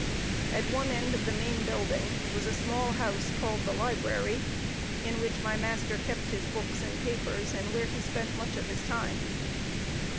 At one end of the main building was a small house, called the library, in which my master kept his books and papers, and where he spent much of his time.